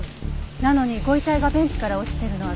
なのにご遺体がベンチから落ちてるのはどうして？